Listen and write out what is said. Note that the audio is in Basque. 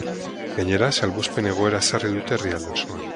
Gainera, salbuespen-egoera ezarri dute herrialde osoan.